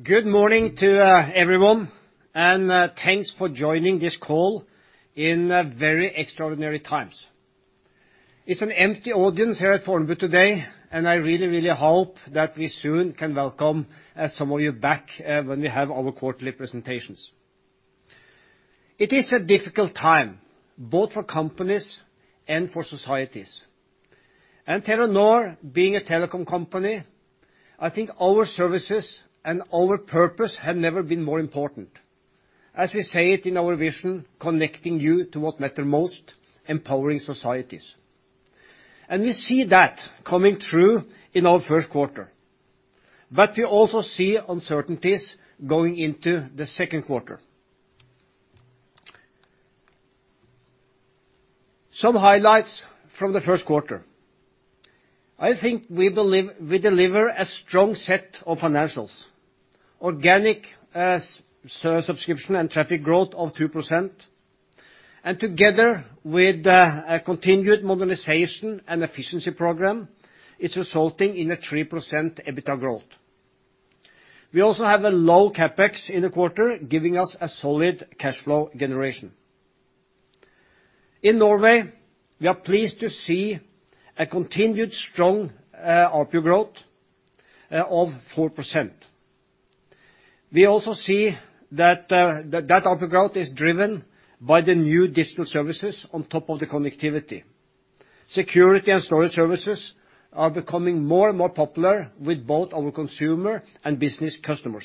Good morning to everyone, thanks for joining this call in very extraordinary times. It's an empty audience here at Fornebu today, I really hope that we soon can welcome some of you back when we have our quarterly presentations. It is a difficult time, both for companies and for societies. Telenor, being a telecom company, I think our services and our purpose have never been more important. As we say it in our vision, connecting you to what matters most, empowering societies. We see that coming true in our first quarter. We also see uncertainties going into the second quarter. Some highlights from the first quarter. I think we deliver a strong set of financials. Organic subscription and traffic growth of 2%, and together with a continued modernization and efficiency program, it's resulting in a 3% EBITDA growth. We also have a low CapEx in the quarter, giving us a solid cash flow generation. In Norway, we are pleased to see a continued strong ARPU growth of 4%. We also see that ARPU growth is driven by the new digital services on top of the connectivity. Security and storage services are becoming more and more popular with both our consumer and business customers.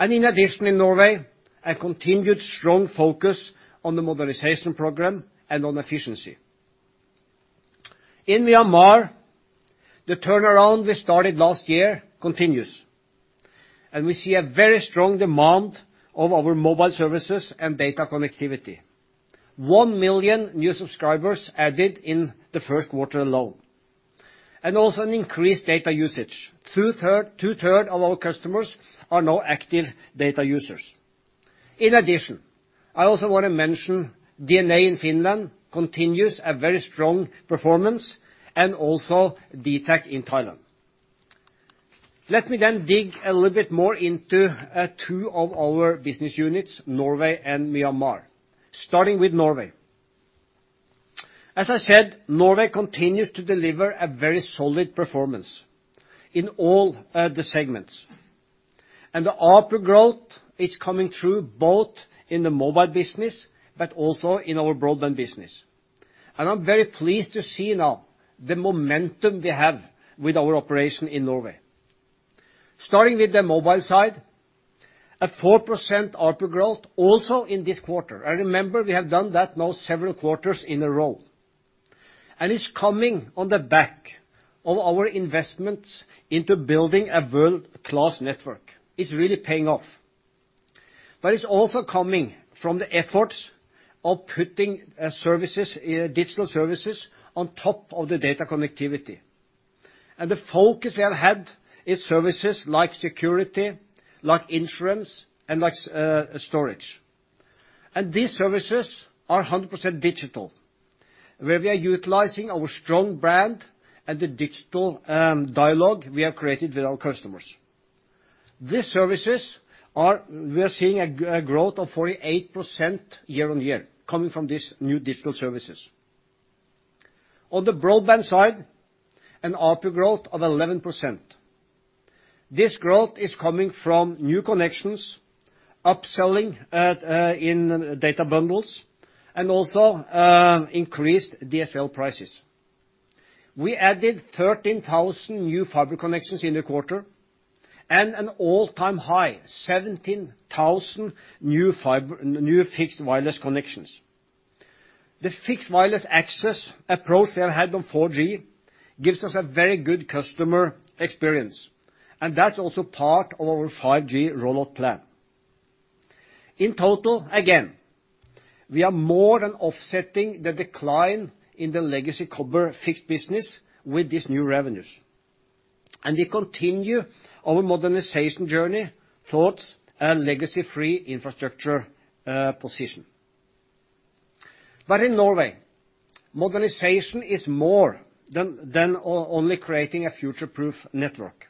In addition, in Norway, a continued strong focus on the Modernization Program and on efficiency. In Myanmar, the turnaround we started last year continues, and we see a very strong demand of our mobile services and data connectivity. 1 million new subscribers added in the first quarter alone, and also an increased data usage. Two-third of our customers are now active data users. In addition, I also want to mention DNA in Finland continues a very strong performance, and also DTAC in Thailand. Let me dig a little bit more into two of our business units, Norway and Myanmar. Starting with Norway. As I said, Norway continues to deliver a very solid performance in all the segments. The ARPU growth is coming through both in the mobile business but also in our broadband business. I'm very pleased to see now the momentum we have with our operation in Norway. Starting with the mobile side, a 4% ARPU growth also in this quarter. Remember, we have done that now several quarters in a row. It's coming on the back of our investments into building a world-class network. It's really paying off. It's also coming from the efforts of putting digital services on top of the data connectivity. The focus we have had is services like security, like insurance, and like storage. These services are 100% digital, where we are utilizing our strong brand and the digital dialogue we have created with our customers. These services, we are seeing a growth of 48% year-on-year coming from these new digital services. On the broadband side, an ARPU growth of 11%. This growth is coming from new connections, upselling in data bundles, and also increased DSL prices. We added 13,000 new fiber connections in the quarter and an all-time high, 17,000 new fixed wireless connections. The fixed wireless access approach we have had on 4G gives us a very good customer experience, and that's also part of our 5G rollout plan. In total, again, we are more than offsetting the decline in the legacy copper fixed business with these new revenues. We continue our modernization journey towards a legacy-free infrastructure position. In Norway, modernization is more than only creating a future-proof network.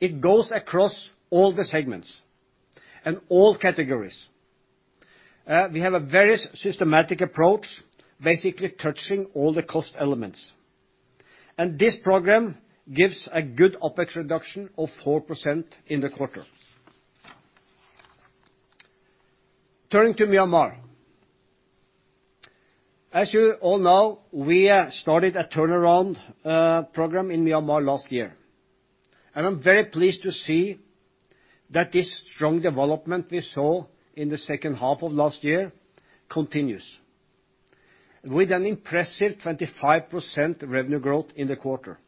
It goes across all the segments and all categories. We have a very systematic approach, basically touching all the cost elements. This program gives a good OpEx reduction of 4% in the quarter. Turning to Myanmar. As you all know, we started a turnaround program in Myanmar last year, and I'm very pleased to see that this strong development we saw in the second half of last year continues, with an impressive 25% revenue growth in the quarter.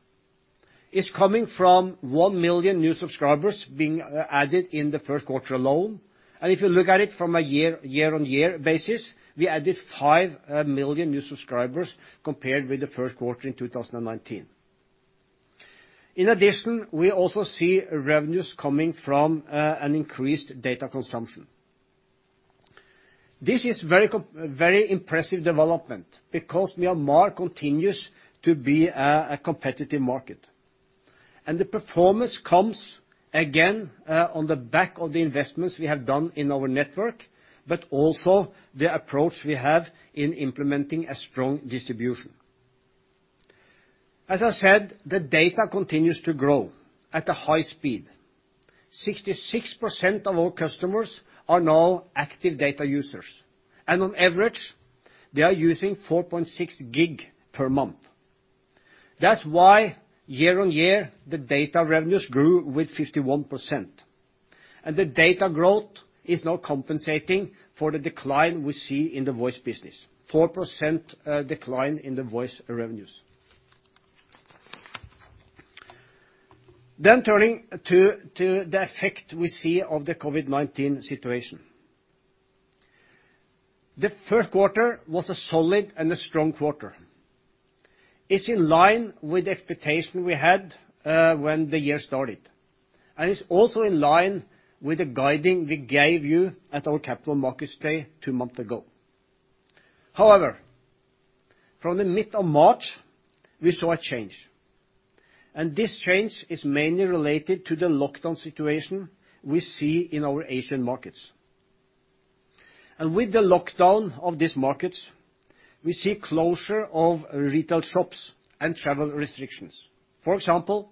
It's coming from 1 million new subscribers being added in the first quarter alone. If you look at it from a year-on-year basis, we added 5 million new subscribers compared with the first quarter in 2019. In addition, we also see revenues coming from an increased data consumption. This is very impressive development, because Myanmar continues to be a competitive market. The performance comes again on the back of the investments we have done in our network, but also the approach we have in implementing a strong distribution. As I said, the data continues to grow at a high speed. 66% of our customers are now active data users, and on average, they are using 4.6 GB per month. That's why year-on-year, the data revenues grew with 51%. The data growth is now compensating for the decline we see in the voice business, 4% decline in the voice revenues. Turning to the effect we see of the COVID-19 situation. The first quarter was a solid and a strong quarter. It's in line with the expectation we had when the year started. It's also in line with the guiding we gave you at our Capital Markets Day two months ago. However, from the mid of March, we saw a change. This change is mainly related to the lockdown situation we see in our Asian markets. With the lockdown of these markets, we see closure of retail shops and travel restrictions. For example,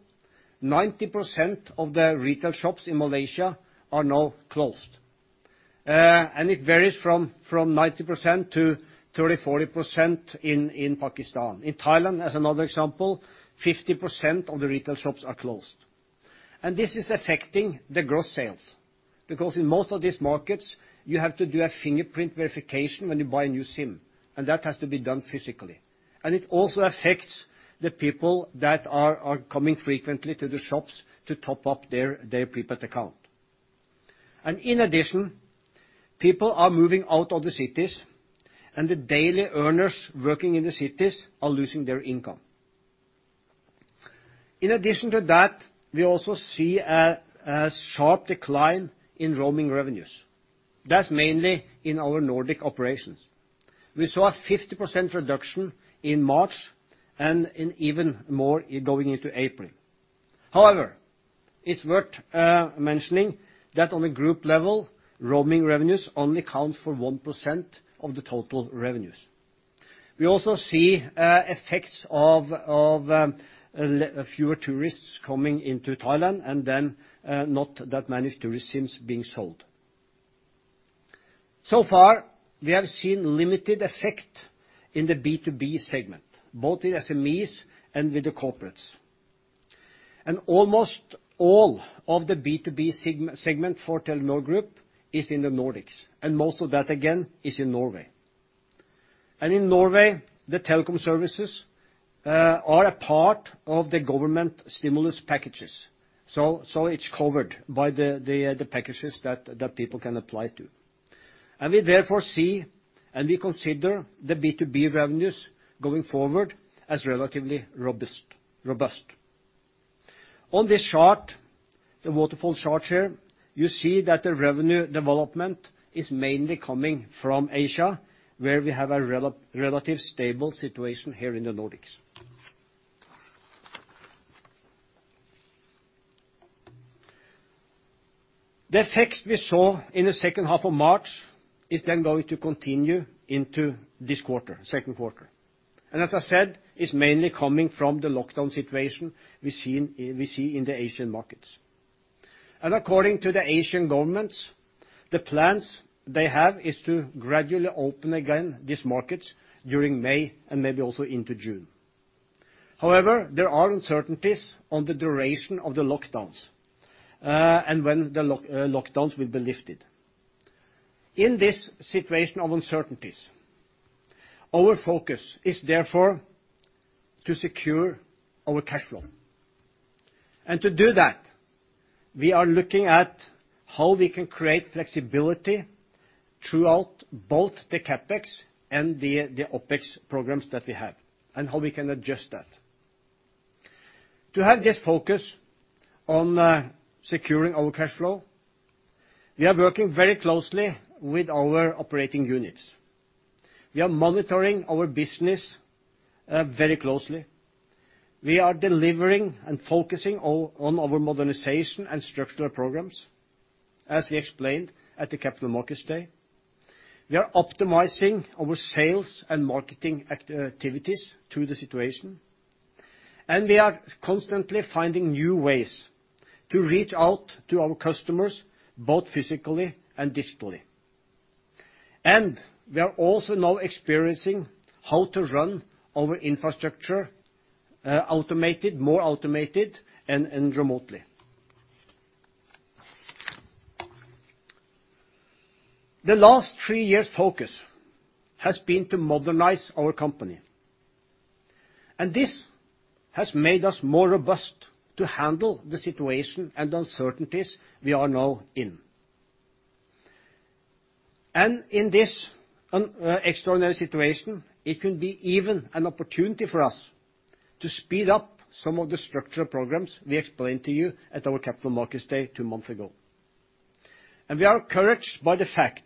90% of the retail shops in Malaysia are now closed. It varies from 90%-30%, 40% in Pakistan. In Thailand, as another example, 50% of the retail shops are closed. This is affecting the gross sales, because in most of these markets, you have to do a fingerprint verification when you buy a new SIM, and that has to be done physically. It also affects the people that are coming frequently to the shops to top up their prepaid account. In addition, people are moving out of the cities, and the daily earners working in the cities are losing their income. In addition to that, we also see a sharp decline in roaming revenues. That's mainly in our Nordic operations. We saw a 50% reduction in March and even more going into April. However, it's worth mentioning that on a Group level, roaming revenues only account for 1% of the total revenues. We also see effects of fewer tourists coming into Thailand and then not that many tourist SIMs being sold. So far, we have seen limited effect in the B2B segment, both the SMEs and with the corporates. Almost all of the B2B segment for Telenor Group is in the Nordics, and most of that, again, is in Norway. In Norway, the telecom services are a part of the government stimulus packages. It's covered by the packages that people can apply to. We consider the B2B revenues going forward as relatively robust. On this chart, the waterfall chart here, you see that the revenue development is mainly coming from Asia, where we have a relative stable situation here in the Nordics. The effect we saw in the second half of March is then going to continue into this quarter, second quarter. As I said, it's mainly coming from the lockdown situation we see in the Asian markets. According to the Asian governments, the plans they have is to gradually open again these markets during May and maybe also into June. There are uncertainties on the duration of the lockdowns, and when the lockdowns will be lifted. In this situation of uncertainties, our focus is therefore to secure our cash flow. To do that, we are looking at how we can create flexibility throughout both the CapEx and the OpEx programs that we have, and how we can adjust that. To have this focus on securing our cash flow, we are working very closely with our operating units. We are monitoring our business very closely. We are delivering and focusing on our modernization and structural programs, as we explained at the Capital Markets Day. We are optimizing our sales and marketing activities to the situation. We are constantly finding new ways to reach out to our customers, both physically and digitally. We are also now experiencing how to run our infrastructure automated, more automated, and remotely. The last three years' focus has been to modernize our company. This has made us more robust to handle the situation and uncertainties we are now in. In this extraordinary situation, it can be even an opportunity for us to speed up some of the structural programs we explained to you at our Capital Markets Day two months ago. We are encouraged by the fact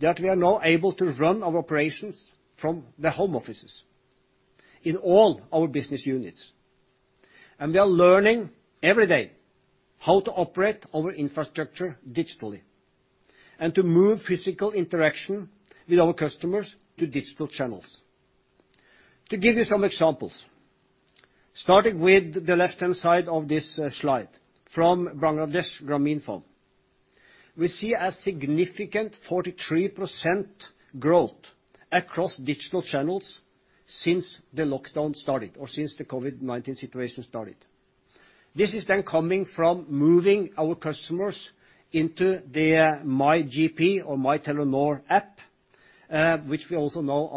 that we are now able to run our operations from the home offices in all our business units. We are learning every day how to operate our infrastructure digitally and to move physical interaction with our customers to digital channels. To give you some examples, starting with the left-hand side of this slide, from Bangladesh Grameenphone. We see a significant 43% growth across digital channels since the lockdown started, or since the COVID-19 situation started. This is coming from moving our customers into their MyGP or My Telenor app, which we also now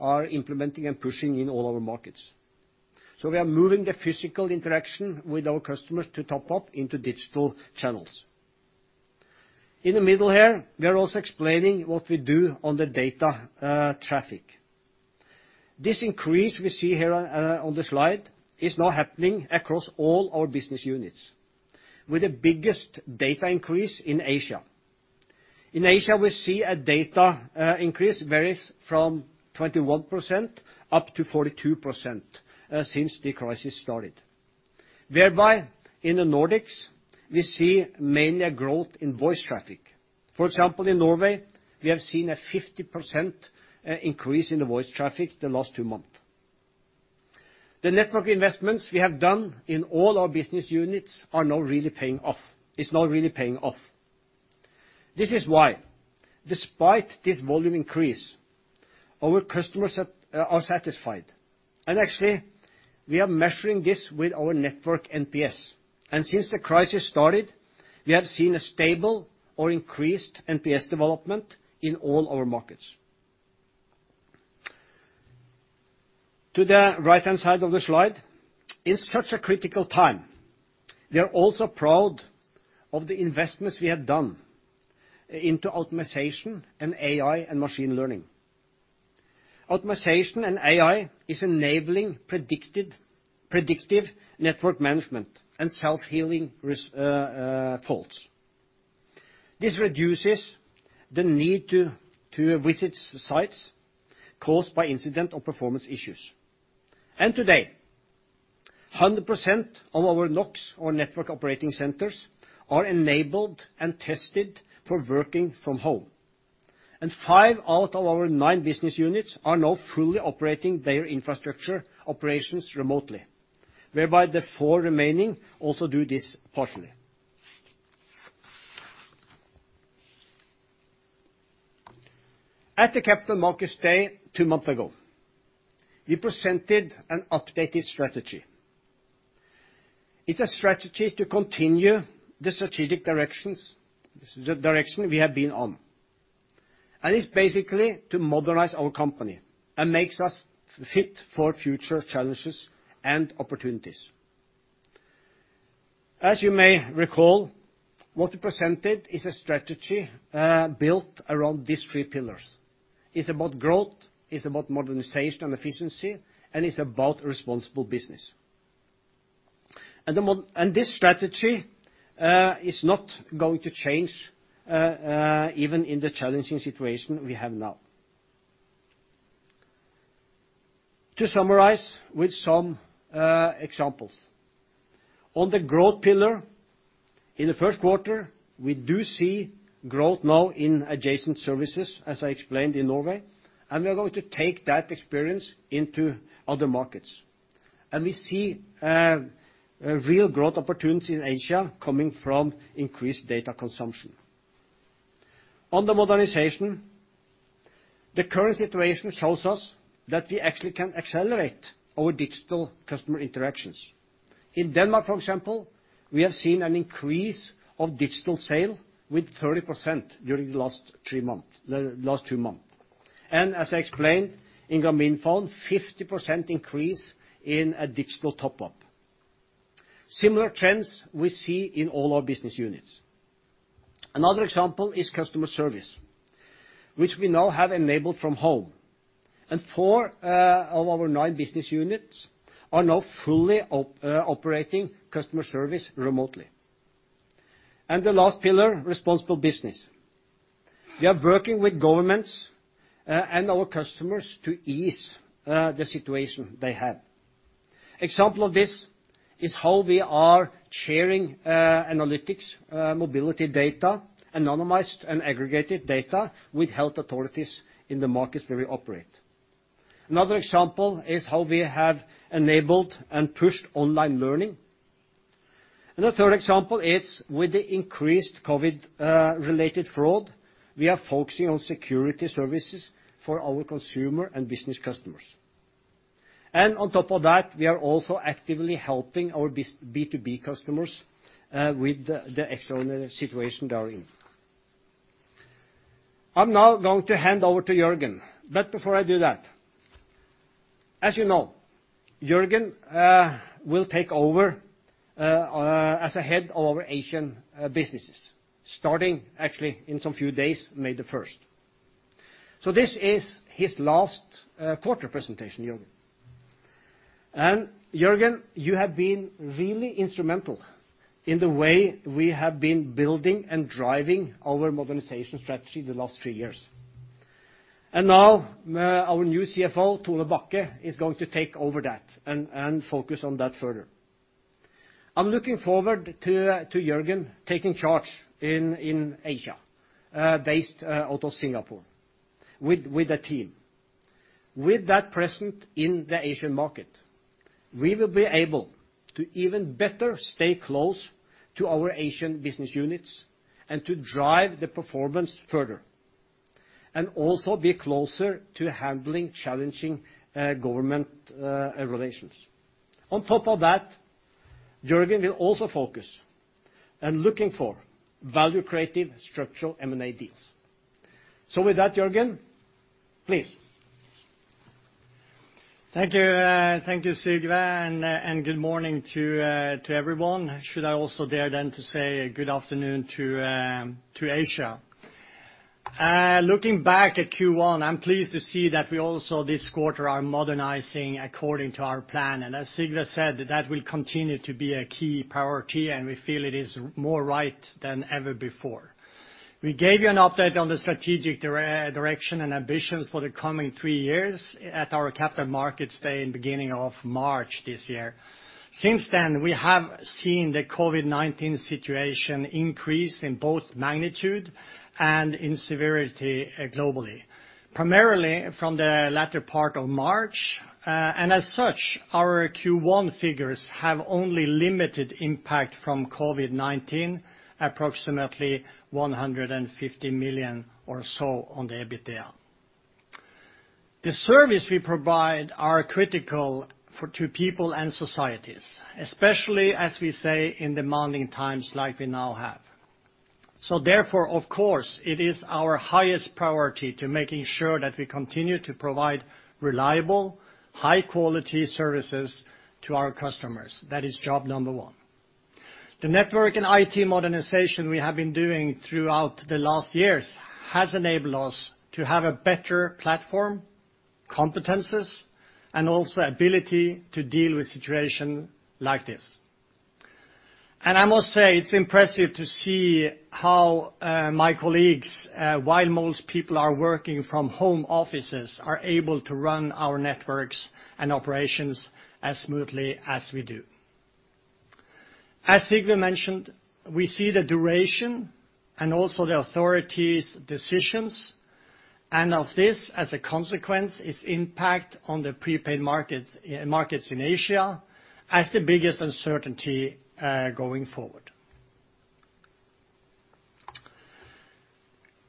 are implementing and pushing in all our markets. We are moving the physical interaction with our customers to top up into digital channels. In the middle here, we are also explaining what we do on the data traffic. This increase we see here on the slide is now happening across all our business units, with the biggest data increase in Asia. In Asia, we see a data increase varies from 21% up to 42% since the crisis started. Thereby, in the Nordics, we see mainly a growth in voice traffic. For example, in Norway, we have seen a 50% increase in the voice traffic the last two months. The network investments we have done in all our business units is now really paying off. This is why, despite this volume increase, our customers are satisfied. Actually, we are measuring this with our network NPS. Since the crisis started, we have seen a stable or increased NPS development in all our markets. To the right-hand side of the slide, in such a critical time, we are also proud of the investments we have done into optimization and AI and machine learning. Automation and AI is enabling predictive network management and self-healing faults. This reduces the need to visit sites caused by incident or performance issues. Today, 100% of our NOCs or network operating centers are enabled and tested for working from home. Five out of our nine business units are now fully operating their infrastructure operations remotely, whereby the four remaining also do this partially. At the Capital Markets Day two months ago, we presented an updated strategy. It's a strategy to continue the strategic direction we have been on, and it's basically to modernize our company and makes us fit for future challenges and opportunities. As you may recall, what we presented is a strategy built around these three pillars. It's about growth, it's about modernization and efficiency, and it's about responsible business. This strategy is not going to change even in the challenging situation we have now. To summarize with some examples. On the growth pillar, in the first quarter, we do see growth now in adjacent services, as I explained in Norway, and we are going to take that experience into other markets. We see real growth opportunities in Asia coming from increased data consumption. On the modernization, the current situation shows us that we actually can accelerate our digital customer interactions. In Denmark, for example, we have seen an increase of digital sale with 30% during the last two months. As I explained, in Grameenphone, 50% increase in a digital top-up. Similar trends we see in all our business units. Another example is customer service, which we now have enabled from home. Four of our nine business units are now fully operating customer service remotely. The last pillar, responsible business. We are working with governments and our customers to ease the situation they have. Example of this is how we are sharing analytics, mobility data, anonymized and aggregated data with health authorities in the markets where we operate. Another example is how we have enabled and pushed online learning. A third example is with the increased COVID-related fraud, we are focusing on security services for our consumer and business customers. On top of that, we are also actively helping our B2B customers with the extraordinary situation they are in. I am now going to hand over to Jørgen, but before I do that, as you know, Jørgen will take over as a head of our Asian businesses, starting actually in some few days, May 1st. This is his last quarter presentation, Jørgen. Jørgen, you have been really instrumental in the way we have been building and driving our modernization strategy the last three years. Now our new CFO, Tone Bakke, is going to take over that and focus on that further. I am looking forward to Jørgen taking charge in Asia, based out of Singapore, with a team. With that presence in the Asian market, we will be able to even better stay close to our Asian business units and to drive the performance further, and also be closer to handling challenging government relations. On top of that, Jørgen will also focus and looking for value-creative structural M&A deals. With that, Jørgen, please. Thank you, Sigve, and good morning to everyone. Should I also dare then to say good afternoon to Asia. Looking back at Q1, I'm pleased to see that we also, this quarter, are modernizing according to our plan. As Sigve said, that will continue to be a key priority, and we feel it is more right than ever before. We gave you an update on the strategic direction and ambitions for the coming three years at our Capital Markets Day in beginning of March this year. Since then, we have seen the COVID-19 situation increase in both magnitude and in severity globally, primarily from the latter part of March. As such, our Q1 figures have only limited impact from COVID-19, approximately 150 million or so on the EBITDA. The service we provide are critical to people and societies, especially, as we say, in demanding times like we now have. Therefore, of course, it is our highest priority to making sure that we continue to provide reliable, high-quality services to our customers. That is job number one. The network and IT modernization we have been doing throughout the last years has enabled us to have a better platform, competences, and also ability to deal with situation like this. I must say, it's impressive to see how my colleagues, while most people are working from home offices, are able to run our networks and operations as smoothly as we do. As Sigve mentioned, we see the duration and also the authorities' decisions, and of this, as a consequence, its impact on the prepaid markets in Asia as the biggest uncertainty going forward.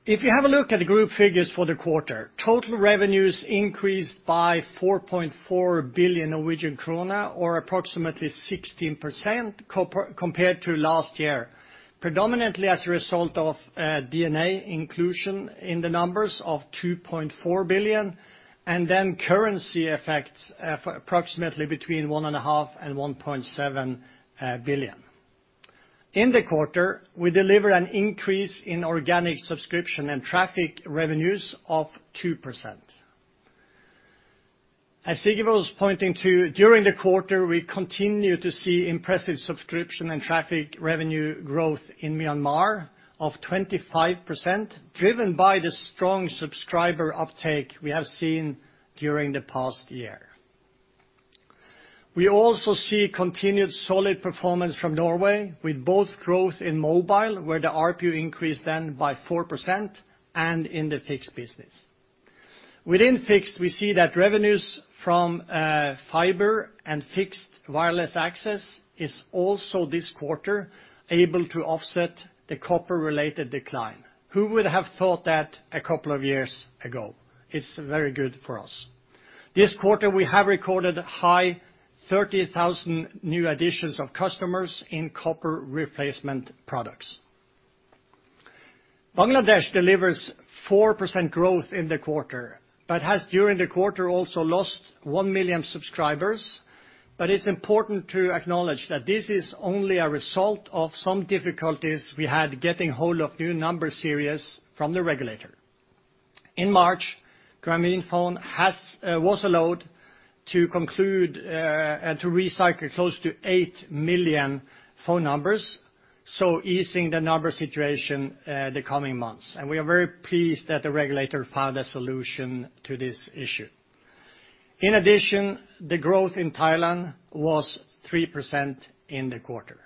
If you have a look at the group figures for the quarter, total revenues increased by 4.4 billion Norwegian krone, or approximately 16% compared to last year, predominantly as a result of DNA inclusion in the numbers of 2.4 billion, and then currency effects approximately between 1.5 billion and 1.7 billion. In the quarter, we delivered an increase in organic subscription and traffic revenues of 2%. As Sigve was pointing to, during the quarter, we continued to see impressive subscription and traffic revenue growth in Myanmar of 25%, driven by the strong subscriber uptake we have seen during the past year. We also see continued solid performance from Norway with both growth in mobile, where the ARPU increased then by 4%, and in the fixed business. Within fixed, we see that revenues from fiber and fixed wireless access is also this quarter able to offset the copper-related decline. Who would have thought that a couple of years ago? It's very good for us. This quarter, we have recorded high 30,000 new additions of customers in copper replacement products. Bangladesh delivers 4% growth in the quarter. It has during the quarter also lost 1 million subscribers. It's important to acknowledge that this is only a result of some difficulties we had getting hold of new number series from the regulator. In March, Grameenphone was allowed to conclude and to recycle close to 8 million phone numbers, so easing the number situation the coming months. We are very pleased that the regulator found a solution to this issue. In addition, the growth in Thailand was 3% in the quarter.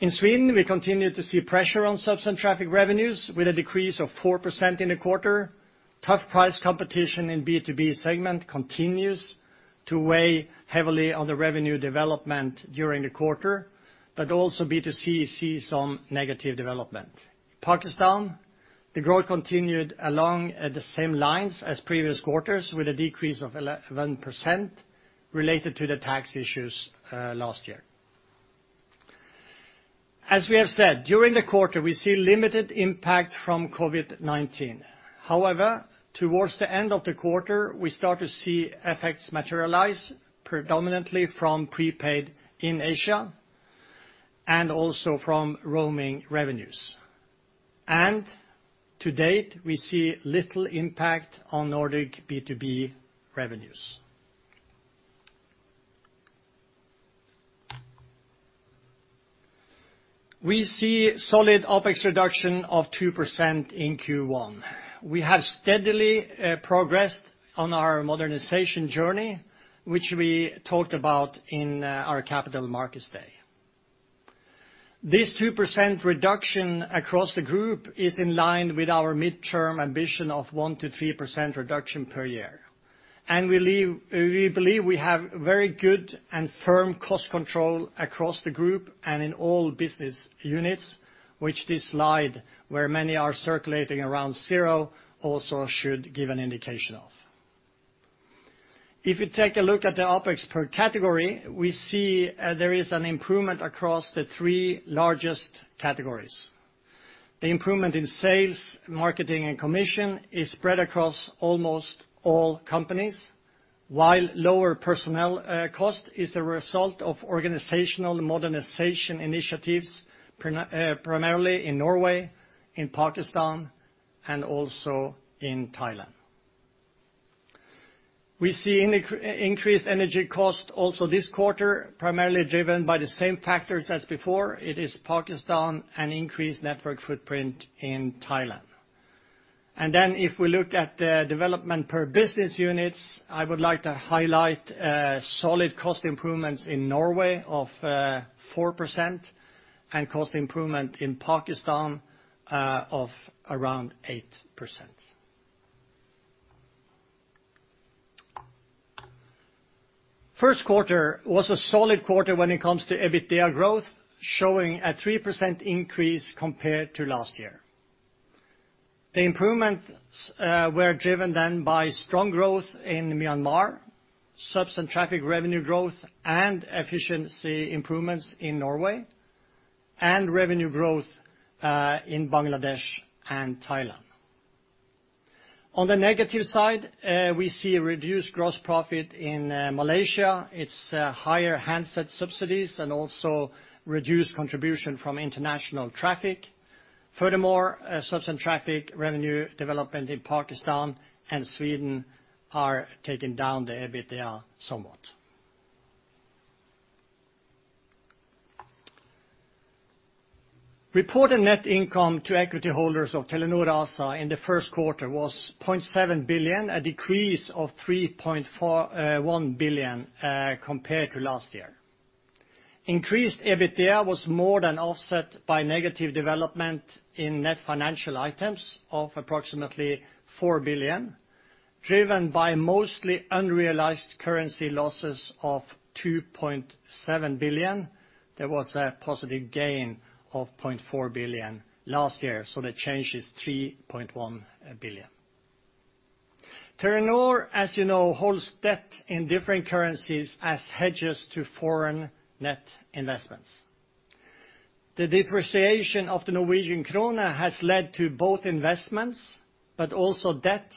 In Sweden, we continued to see pressure on subs and traffic revenues with a decrease of 4% in the quarter. Tough price competition in B2B segment continues to weigh heavily on the revenue development during the quarter, but also B2C see some negative development. Pakistan, the growth continued along the same lines as previous quarters with a decrease of 11% related to the tax issues last year. As we have said, during the quarter, we see limited impact from COVID-19. However, towards the end of the quarter, we start to see effects materialize predominantly from prepaid in Asia, and also from roaming revenues. To date, we see little impact on Nordic B2B revenues. We see solid OpEx reduction of 2% in Q1. We have steadily progressed on our modernization journey, which we talked about in our Capital Markets Day. This 2% reduction across the group is in line with our midterm ambition of 1%-3% reduction per year. We believe we have very good and firm cost control across the group and in all business units, which this slide, where many are circulating around zero, also should give an indication of. If you take a look at the OpEx per category, we see there is an improvement across the three largest categories. The improvement in sales, marketing, and commission is spread across almost all companies, while lower personnel cost is a result of organizational modernization initiatives, primarily in Norway, in Pakistan, and also in Thailand. We see increased energy cost also this quarter, primarily driven by the same factors as before. It is Pakistan and increased network footprint in Thailand. If we look at the development per business units, I would like to highlight solid cost improvements in Norway of 4%, and cost improvement in Pakistan of around 8%. First quarter was a solid quarter when it comes to EBITDA growth, showing a 3% increase compared to last year. The improvements were driven then by strong growth in Myanmar, subs and traffic revenue growth and efficiency improvements in Norway, and revenue growth in Bangladesh and Thailand. On the negative side, we see a reduced gross profit in Malaysia. It's higher handset subsidies and also reduced contribution from international traffic. Furthermore, subs and traffic revenue development in Pakistan and Sweden are taking down the EBITDA somewhat. Reported net income to equity holders of Telenor ASA in the first quarter was 0.7 billion, a decrease of 3.1 billion compared to last year. Increased EBITDA was more than offset by negative development in net financial items of approximately 4 billion, driven by mostly unrealized currency losses of 2.7 billion. There was a positive gain of 0.4 billion last year. The change is 3.1 billion. Telenor, as you know, holds debt in different currencies as hedges to foreign net investments. The depreciation of the NOK has led to both investments, but also debt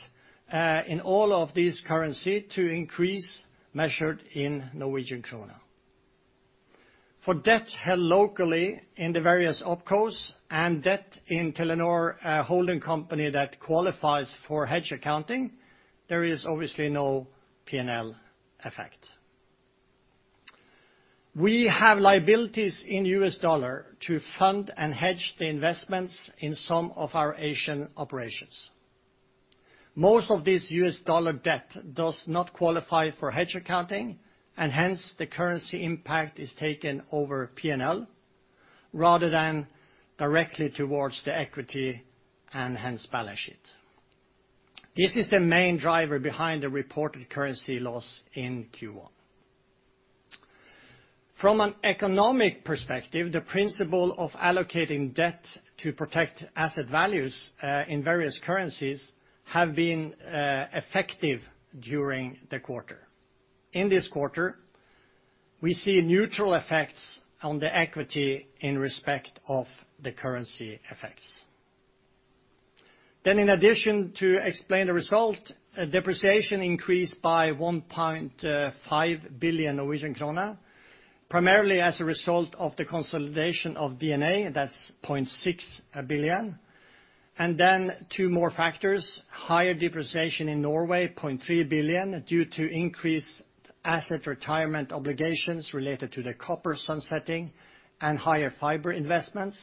in all of these currency to increase measured in NOK. For debt held locally in the various opcos and debt in Telenor holding company that qualifies for hedge accounting, there is obviously no P&L effect. We have liabilities in US dollar to fund and hedge the investments in some of our Asian operations. Most of this US dollar debt does not qualify for hedge accounting, hence the currency impact is taken over P&L, rather than directly towards the equity and hence balance sheet. This is the main driver behind the reported currency loss in Q1. From an economic perspective, the principle of allocating debt to protect asset values in various currencies have been effective during the quarter. In this quarter, we see neutral effects on the equity in respect of the currency effects. In addition to explain the result, depreciation increased by 1.5 billion Norwegian krone, primarily as a result of the consolidation of DNA, that's 0.6 billion. Two more factors, higher depreciation in Norway, 0.3 billion, due to increased asset retirement obligations related to the copper sunsetting and higher fiber investments,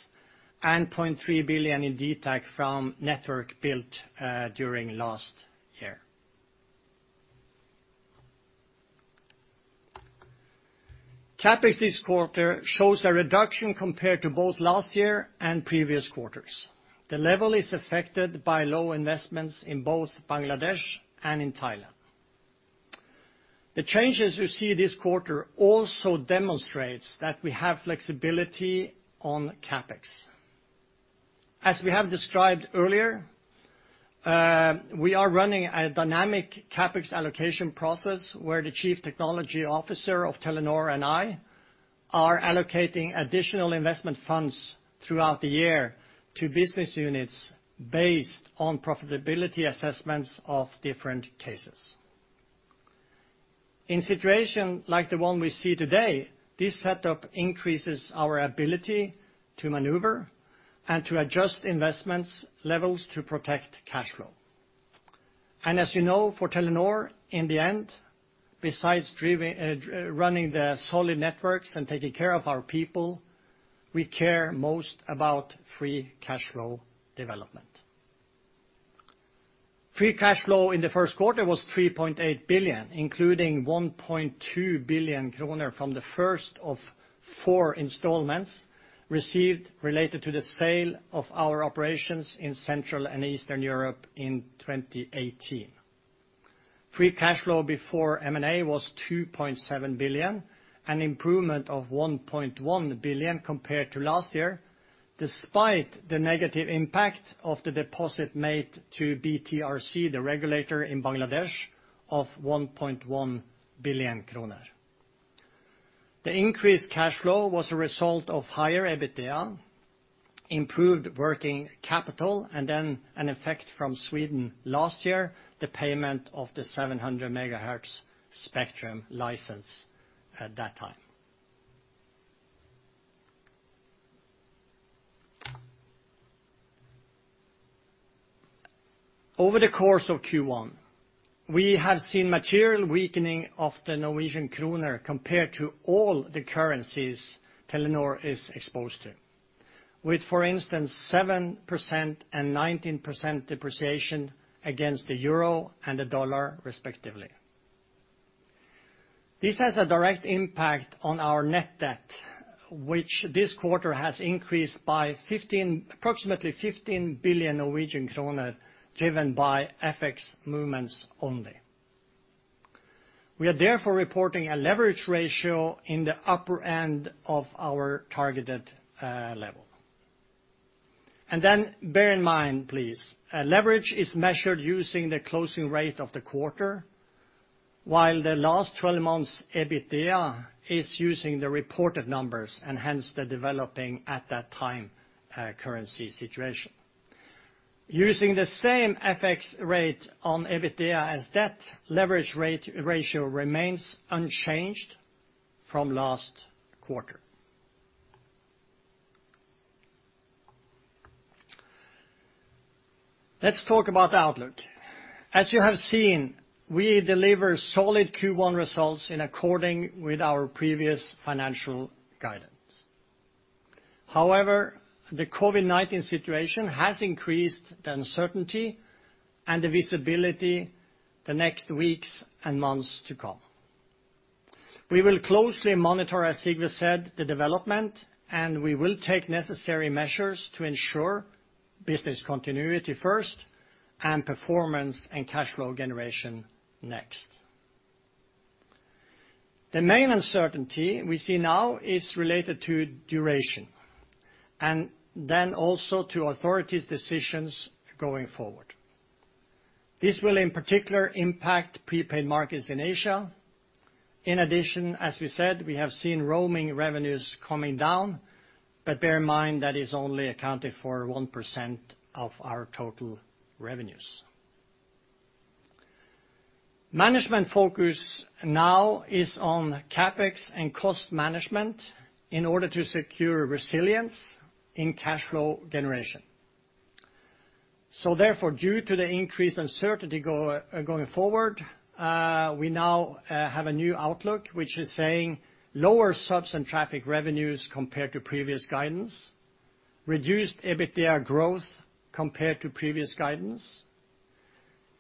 and 0.3 billion in DTAC from network built during last year. CapEx this quarter shows a reduction compared to both last year and previous quarters. The level is affected by low investments in both Bangladesh and in Thailand. The changes you see this quarter also demonstrates that we have flexibility on CapEx. As we have described earlier, we are running a dynamic CapEx allocation process where the Chief Technology Officer of Telenor and I are allocating additional investment funds throughout the year to business units based on profitability assessments of different cases. In situations like the one we see today, this setup increases our ability to maneuver and to adjust investments levels to protect cash flow. As you know, for Telenor, in the end, besides running the solid networks and taking care of our people, we care most about free cash flow development. Free cash flow in the first quarter was 3.8 billion, including 1.2 billion kroner from the first of 4 installments received, related to the sale of our operations in Central and Eastern Europe in 2018. Free cash flow before M&A was 2.7 billion, an improvement of 1.1 billion compared to last year, despite the negative impact of the deposit made to BTRC, the regulator in Bangladesh, of 1.1 billion kroner. The increased cash flow was a result of higher EBITDA, improved working capital, and then an effect from Sweden last year, the payment of the 700 MHz spectrum license at that time. Over the course of Q1, we have seen material weakening of the NOK compared to all the currencies Telenor is exposed to, with, for instance, 7% and 19% depreciation against the EUR and the USD respectively. This has a direct impact on our net debt, which this quarter has increased by approximately 15 billion Norwegian kroner, driven by FX movements only. We are therefore reporting a leverage ratio in the upper end of our targeted level. Then bear in mind, please, leverage is measured using the closing rate of the quarter, while the last 12 months' EBITDA is using the reported numbers, and hence the developing at that time currency situation. Using the same FX rate on EBITDA as debt leverage ratio remains unchanged from last quarter. Let's talk about the outlook. As you have seen, we deliver solid Q1 results in accordance with our previous financial guidance. However, the COVID-19 situation has increased the uncertainty and the visibility the next weeks and months to come. We will closely monitor, as Sigve said, the development, and we will take necessary measures to ensure business continuity first, and performance and cash flow generation next. The main uncertainty we see now is related to duration, and then also to authorities' decisions going forward. This will in particular impact prepaid markets in Asia. In addition, as we said, we have seen roaming revenues coming down, bear in mind that is only accounted for 1% of our total revenues. Management focus now is on CapEx and cost management in order to secure resilience in cash flow generation. Therefore, due to the increased uncertainty going forward, we now have a new outlook, which is saying lower subs and traffic revenues compared to previous guidance, reduced EBITDA growth compared to previous guidance,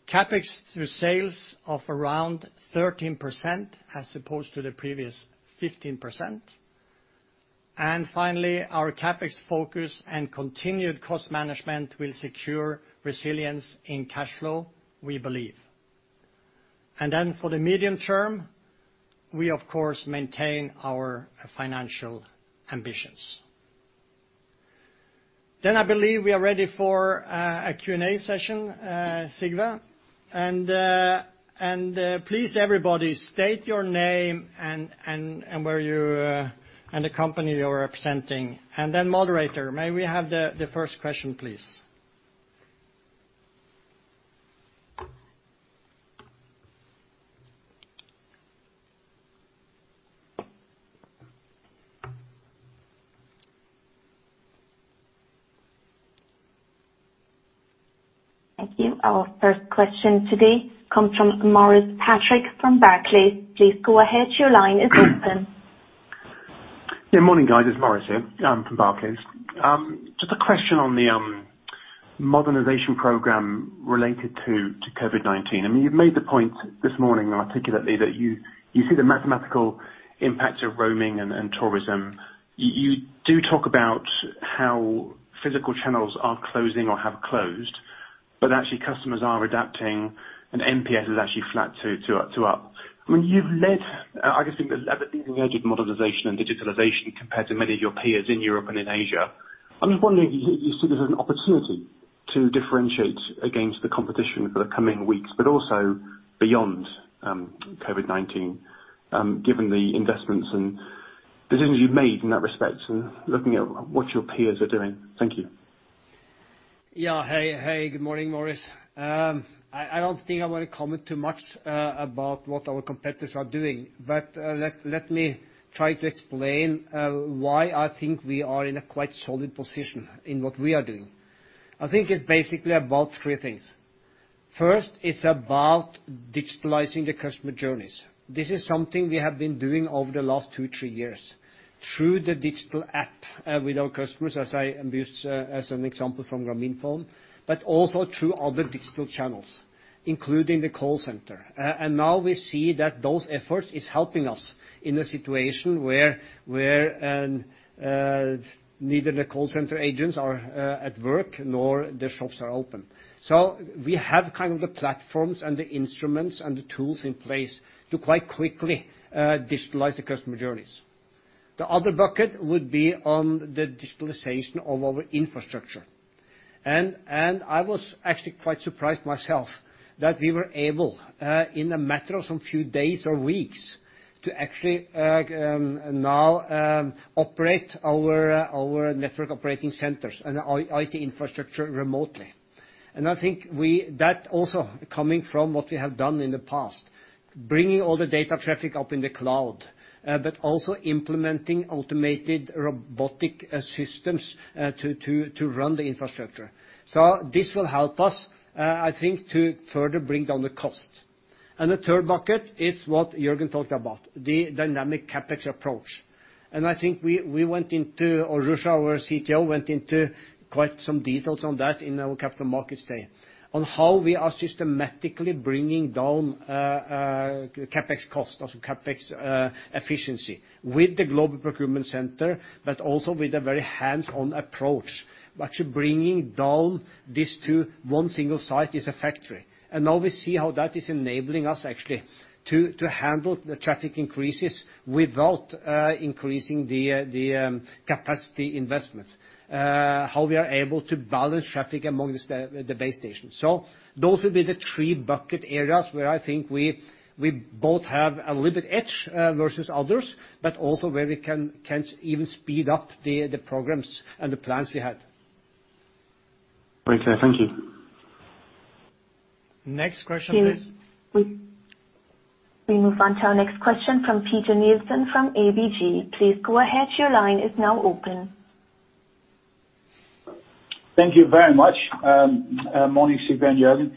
CapEx to sales of around 13% as opposed to the previous 15%. Finally, our CapEx focus and continued cost management will secure resilience in cash flow, we believe. For the medium term, we of course maintain our financial ambitions. I believe we are ready for a Q&A session, Sigve. Please, everybody, state your name and the company you're representing. Moderator, may we have the first question, please? Thank you. Our first question today comes from Maurice Patrick from Barclays. Please go ahead. Your line is open. Yeah, morning guys. It's Maurice here from Barclays. Just a question on the modernization program related to COVID-19. You've made the point this morning articulately that you see the mathematical impact of roaming and tourism. You do talk about how physical channels are closing or have closed, but actually customers are adapting, and NPS is actually flat to up. You've led, I guess you can leverage the advantage of modernization and digitalization compared to many of your peers in Europe and in Asia. I'm just wondering, you see this as an opportunity to differentiate against the competition for the coming weeks, but also beyond COVID-19, given the investments and decisions you've made in that respect and looking at what your peers are doing. Thank you. Yeah. Hey. Good morning, Maurice. I don't think I want to comment too much about what our competitors are doing, but let me try to explain why I think we are in a quite solid position in what we are doing. I think it's basically about three things. First, it's about digitalizing the customer journeys. This is something we have been doing over the last two, three years through the digital app with our customers, as I used as an example from Grameenphone, but also through other digital channels, including the call center. Now we see that those efforts is helping us in a situation where neither the call center agents are at work, nor the shops are open. We have kind of the platforms and the instruments and the tools in place to quite quickly digitalize the customer journeys. The other bucket would be on the digitalization of our infrastructure. I was actually quite surprised myself that we were able, in a matter of some few days or weeks, to actually now operate our Network Operating Centers and our IT infrastructure remotely. I think that also coming from what we have done in the past, bringing all the data traffic up in the cloud, but also implementing automated robotic systems to run the infrastructure. This will help us, I think, to further bring down the cost. The third bucket is what Jørgen talked about, the dynamic CapEx approach. I think we went into, or Ruza, our CTO, went into quite some details on that in our Capital Markets Day, on how we are systematically bringing down CapEx cost or some CapEx efficiency with the global procurement center, but also with a very hands-on approach. Actually bringing down this to one single site is a factory. Now we see how that is enabling us actually to handle the traffic increases without increasing the capacity investments, how we are able to balance traffic among the base stations. Those will be the three bucket areas where I think we both have a little bit edge versus others, but also where we can even speed up the programs and the plans we had. Very clear. Thank you. Next question, please. We move on to our next question from Peter Nielsen from ABG. Please go ahead. Your line is now open. Thank you very much. Morning, Sigve and Jørgen.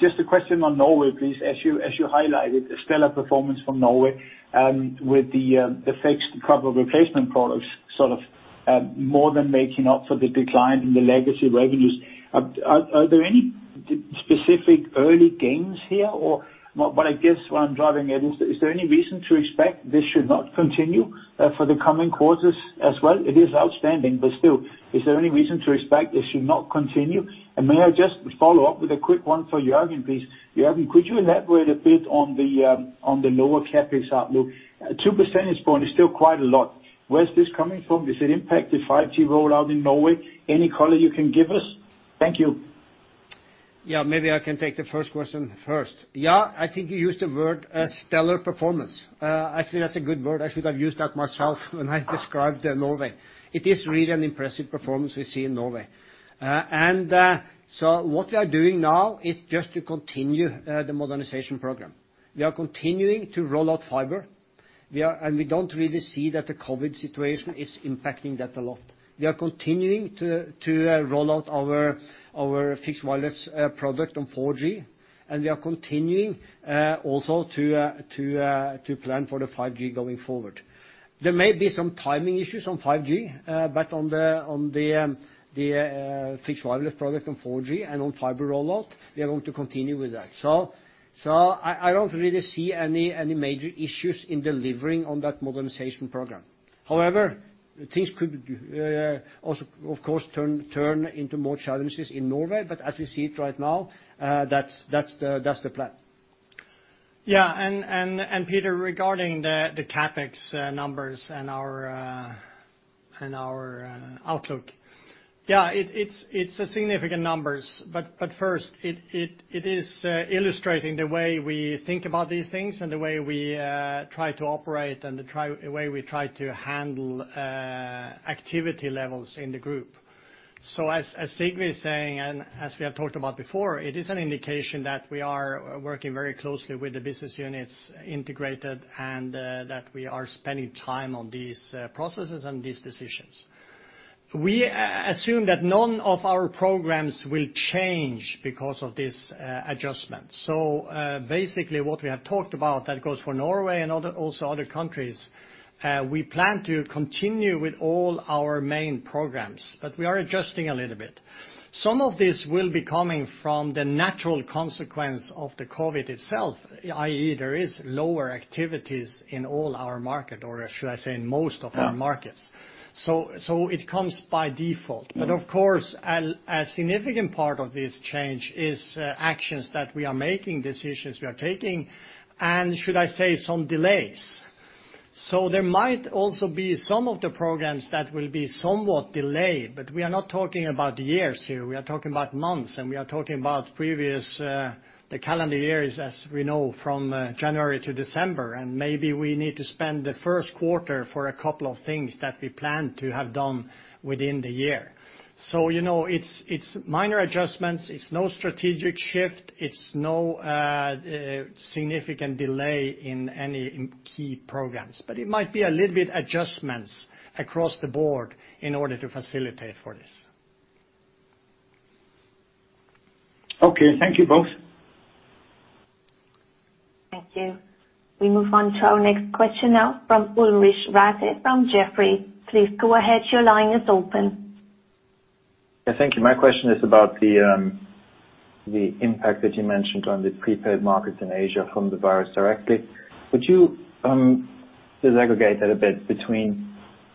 Just a question on Norway, please. As you highlighted, a stellar performance from Norway with the fixed cover replacement products, sort of more than making up for the decline in the legacy revenues. Are there any specific early gains here? What I'm driving at is there any reason to expect this should not continue for the coming quarters as well? It is outstanding, still, is there any reason to expect this should not continue? May I just follow up with a quick one for Jørgen, please. Jørgen, could you elaborate a bit on the lower CapEx outlook? Two percentage point is still quite a lot. Where is this coming from? Does it impact the 5G rollout in Norway? Any color you can give us? Thank you. Maybe I can take the first question first. I think you used the word stellar performance. Actually, that's a good word. I should have used that myself when I described Norway. It is really an impressive performance we see in Norway. What we are doing now is just to continue the modernization program. We are continuing to roll out fiber. We don't really see that the COVID-19 situation is impacting that a lot. We are continuing to roll out our fixed wireless product on 4G, and we are continuing also to plan for the 5G going forward. There may be some timing issues on 5G, but on the fixed wireless product on 4G and on fiber rollout, we are going to continue with that. I don't really see any major issues in delivering on that modernization program. Things could also, of course, turn into more challenges in Norway. As we see it right now, that's the plan. Peter, regarding the CapEx numbers and our outlook. First, it is illustrating the way we think about these things and the way we try to operate and the way we try to handle activity levels in the group. As Sigve is saying, and as we have talked about before, it is an indication that we are working very closely with the business units integrated, that we are spending time on these processes and these decisions. We assume that none of our programs will change because of this adjustment. Basically what we have talked about, that goes for Norway and also other countries. We plan to continue with all our main programs, we are adjusting a little bit. Some of this will be coming from the natural consequence of the COVID-19 itself, i.e., there is lower activities in all our market, or should I say in most of our markets. It comes by default. Of course, a significant part of this change is actions that we are making, decisions we are taking, and should I say, some delays. There might also be some of the programs that will be somewhat delayed, but we are not talking about years here, we are talking about months, and we are talking about previous, the calendar years, as we know from January to December. Maybe we need to spend the first quarter for a couple of things that we planned to have done within the year. It's minor adjustments. It's no strategic shift. It's no significant delay in any key programs. It might be a little bit adjustments across the board in order to facilitate for this. Okay, thank you both. Thank you. We move on to our next question now from Ulrich Rathe from Jefferies. Please go ahead. Your line is open. Yeah, thank you. My question is about the impact that you mentioned on the prepaid market in Asia from the virus directly. Could you disaggregate that a bit between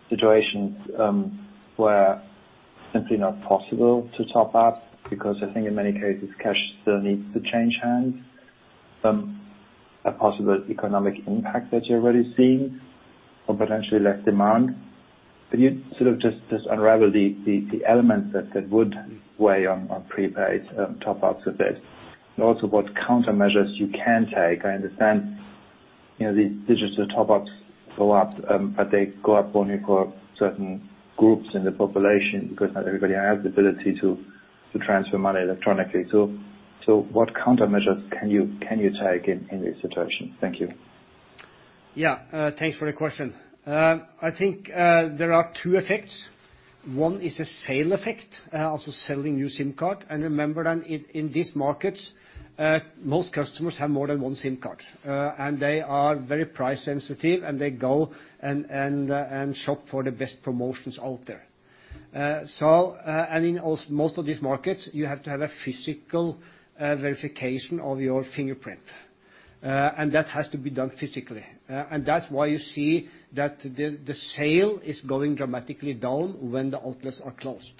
situations where simply not possible to top up because I think in many cases, cash still needs to change hands, a possible economic impact that you're already seeing or potentially less demand. Can you sort of just unravel the elements that would weigh on prepaid top ups a bit, and also what countermeasures you can take? I understand these digital top ups go up, but they go up only for certain groups in the population because not everybody has the ability to transfer money electronically. What countermeasures can you take in this situation? Thank you. Thanks for the question. I think there are two effects. One is a sale effect, also selling new SIM card. Remember that in these markets, most customers have more than one SIM card, and they are very price sensitive, and they go and shop for the best promotions out there. In most of these markets, you have to have a physical verification of your fingerprint. That has to be done physically. That's why you see that the sale is going dramatically down when the outlets are closed.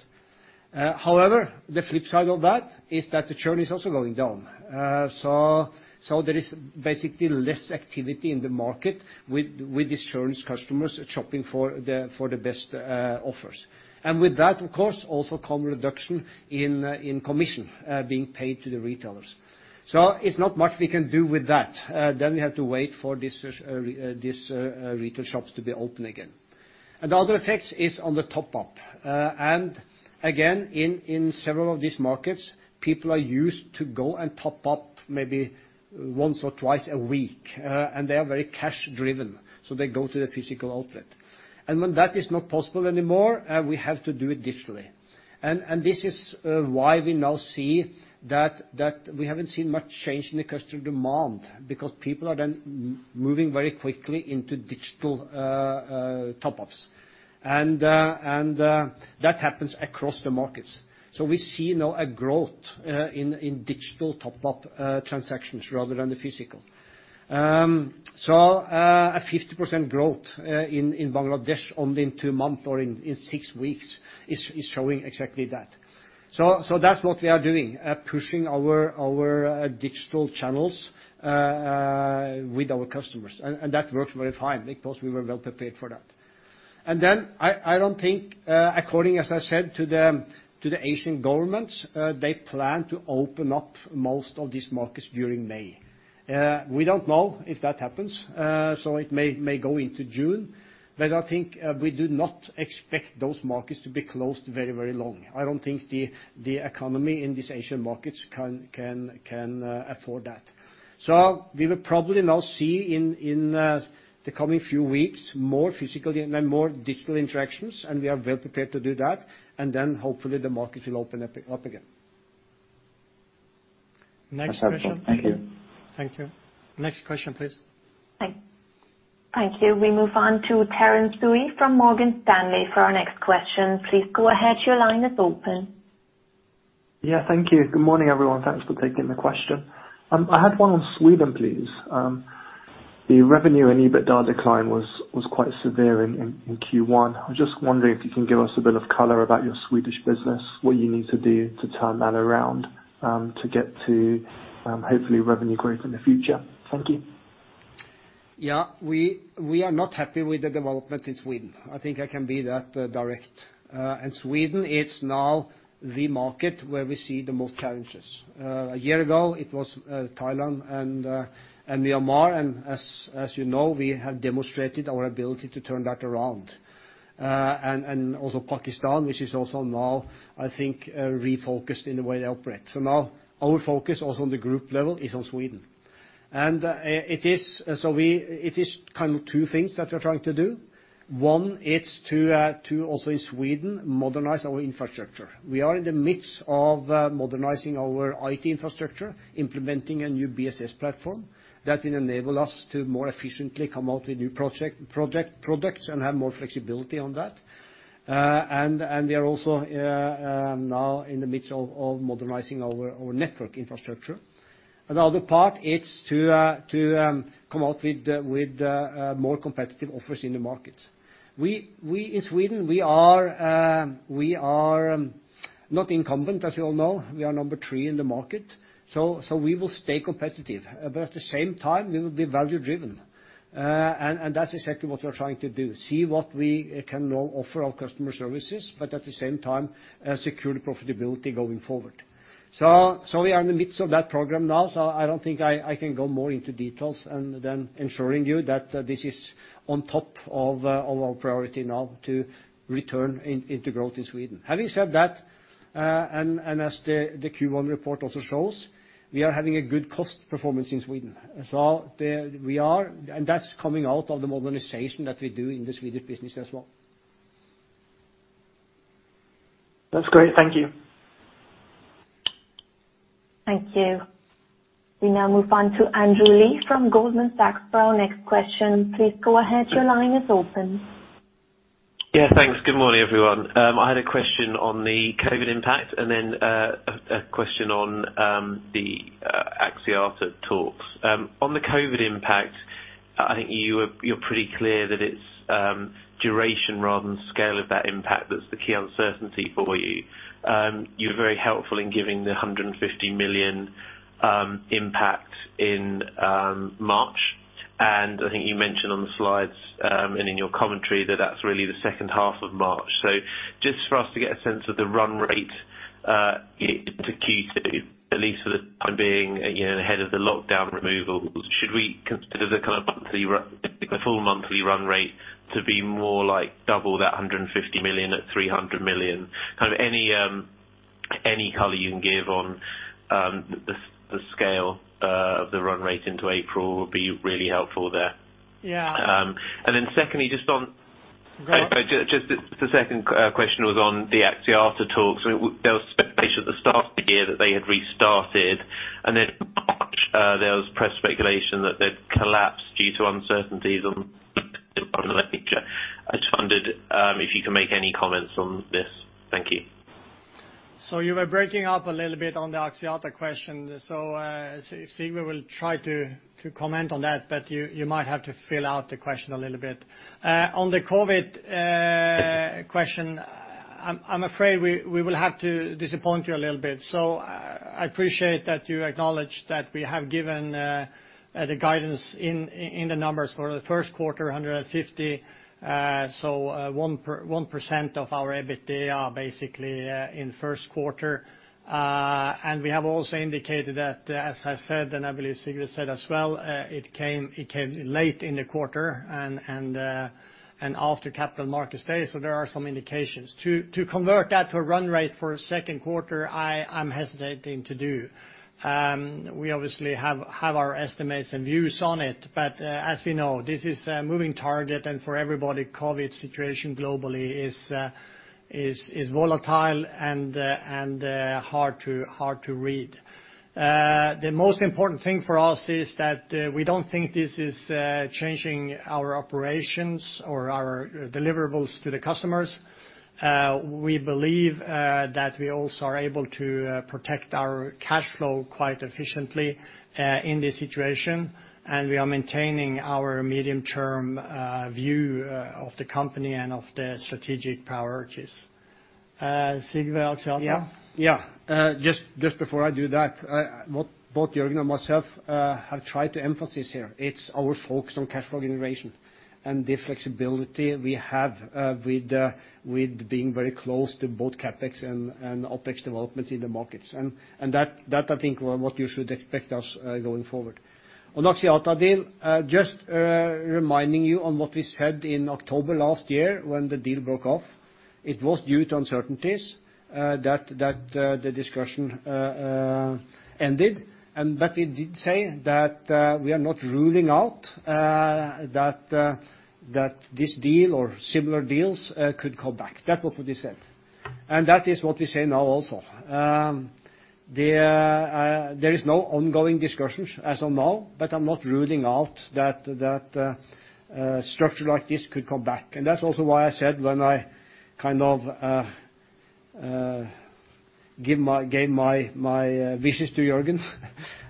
However, the flip side of that is that the churn is also going down. There is basically less activity in the market with these churn customers shopping for the best offers. With that, of course, also come reduction in commission being paid to the retailers. It's not much we can do with that. We have to wait for these retail shops to be open again. The other effects is on the top up. Again, in several of these markets, people are used to go and top up maybe once or twice a week, and they are very cash driven, so they go to the physical outlet. When that is not possible anymore, we have to do it digitally. This is why we now see that we haven't seen much change in the customer demand because people are then moving very quickly into digital top ups. That happens across the markets. We see now a growth in digital top up transactions rather than the physical. A 50% growth in Bangladesh only in two month or in six weeks is showing exactly that. That's what we are doing, pushing our digital channels with our customers. That works very fine because we were well prepared for that. I don't think, according, as I said, to the Asian governments, they plan to open up most of these markets during May. We don't know if that happens. It may go into June. I think we do not expect those markets to be closed very long. I don't think the economy in these Asian markets can afford that. We will probably now see in the coming few weeks more physical and then more digital interactions, and we are well prepared to do that. Hopefully the markets will open up again. That's helpful. Thank you. Thank you. Next question, please. Thank you. We move on to Terence Tsui from Morgan Stanley for our next question. Please go ahead. Your line is open. Yeah. Thank you. Good morning, everyone. Thanks for taking the question. I had one on Sweden, please. The revenue and EBITDA decline was quite severe in Q1. I was just wondering if you can give us a bit of color about your Swedish business, what you need to do to turn that around, to get to, hopefully, revenue growth in the future. Thank you. Yeah. We are not happy with the development in Sweden. I think I can be that direct. Sweden, it's now the market where we see the most challenges. A year ago it was Thailand and Myanmar, and as you know, we have demonstrated our ability to turn that around. Also Pakistan, which is also now I think refocused in the way they operate. Now our focus also on the group level is on Sweden. It is kind of two things that we are trying to do. One is to, also in Sweden, modernize our infrastructure. We are in the midst of modernizing our IT infrastructure, implementing a new BSS platform that will enable us to more efficiently come out with new products and have more flexibility on that. We are also now in the midst of modernizing our network infrastructure. The other part is to come out with more competitive offers in the market. We in Sweden are not incumbent, as you all know. We are number 3 in the market. We will stay competitive. At the same time we will be value driven. That's exactly what we are trying to do, see what we can now offer our customer services, but at the same time, secure profitability going forward. We are in the midst of that program now. I don't think I can go more into details other than ensuring you that this is on top of our priority now to return into growth in Sweden. Having said that, and as the Q1 report also shows, we are having a good cost performance in Sweden. That's coming out of the modernization that we do in the Swedish business as well. That's great. Thank you. Thank you. We now move on to Andrew Lee from Goldman Sachs for our next question. Please go ahead. Your line is open. Yeah, thanks. Good morning, everyone. I had a question on the COVID impact and then a question on the Axiata talks. On the COVID impact, I think you're pretty clear that its duration rather than scale of that impact that's the key uncertainty for you. You're very helpful in giving the 150 million impact in March, and I think you mentioned on the slides and in your commentary that that's really the second half of March. Just for us to get a sense of the run rate, to key to at least for the time being, ahead of the lockdown removals. Should we consider the full monthly run rate to be more like double that 150 million at 300 million? Any color you can give on the scale of the run rate into April would be really helpful there. Yeah. Secondly, just. Go on. The second question was on the Axiata talks. There was speculation at the start of the year that they had restarted and then there was press speculation that they'd collapsed. I just wondered if you can make any comments on this. Thank you. You were breaking up a little bit on the Axiata question. Sigve will try to comment on that, but you might have to fill out the question a little bit. On the COVID question, I am afraid we will have to disappoint you a little bit. I appreciate that you acknowledge that we have given the guidance in the numbers for the 1st quarter, 150, so 1% of our EBITDA basically in 1st quarter. We have also indicated that, as I said, and I believe Sigve said as well, it came late in the quarter and after Capital Markets Day, there are some indications. To convert that to a run rate for 2nd quarter, I am hesitating to do. We obviously have our estimates and views on it. As we know, this is a moving target, and for everybody, COVID-19 situation globally is volatile and hard to read. The most important thing for us is that we don't think this is changing our operations or our deliverables to the customers. We believe that we also are able to protect our cash flow quite efficiently, in this situation. We are maintaining our medium term view of the company and of the strategic priorities. Sigve, Axiata? Just before I do that, both Jørgen and myself have tried to emphasize here, it's our focus on cash flow generation and the flexibility we have with being very close to both CapEx and OpEx developments in the markets. That I think what you should expect us going forward. On Axiata deal, just reminding you on what we said in October last year when the deal broke off, it was due to uncertainties that the discussion ended. It did say that we are not ruling out that this deal or similar deals could come back. That was what we said. That is what we say now also. There is no ongoing discussions as of now, but I'm not ruling out that a structure like this could come back. That's also why I said when I gave my visions to Jørgen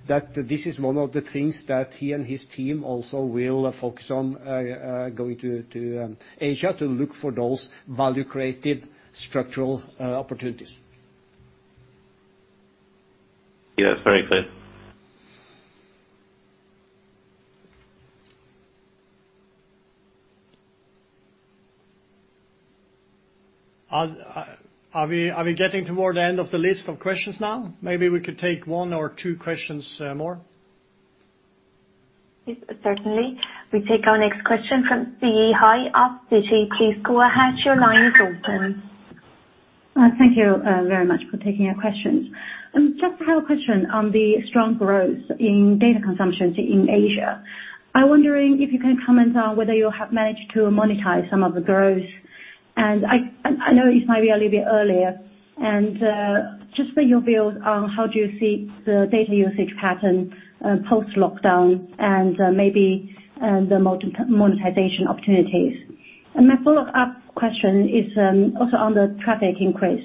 that this is one of the things that he and his team also will focus on going to Asia to look for those value-created structural opportunities. Yeah. It's very clear. Are we getting toward the end of the list of questions now? Maybe we could take one or two questions more. Yes, certainly. We take our next question from Siyi He of Citi. Please go ahead, your line is open. Thank you very much for taking our questions. Just have a question on the strong growth in data consumption in Asia. I'm wondering if you can comment on whether you have managed to monetize some of the growth. I know it might be a little bit earlier and just for your views on how do you see the data usage pattern, post-lockdown and maybe the monetization opportunities. My follow-up question is also on the traffic increase.